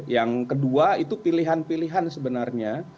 yang kedua itu pilihan pilihan sebenarnya